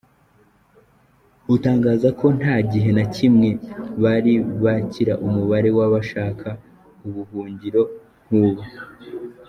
Butangaza ko nta gihe na kimwe bari bakira umubare w’abashaka ubuhungiro nk’ubu.